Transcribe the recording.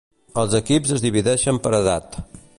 Els equips es divideixen per edat.